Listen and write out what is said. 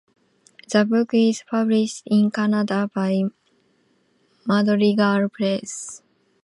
The book is published in Canada by Madrigal Press.